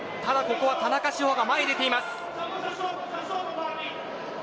ここは田中志歩が前に出ています。